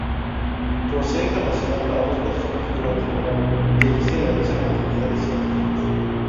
Posee capacidad para dos personas durante el verano y allí se realizan actividades científicas.